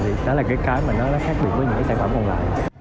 thì đó là cái cái mà nó khác biệt với những sản phẩm còn lại